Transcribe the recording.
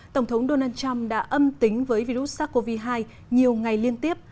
tổng thống donald trump đã âm tính với virus sars cov hai nhiều ngày liên tiếp